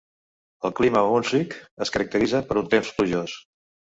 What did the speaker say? El clima a Hunsrück es caracteritza per un temps plujós.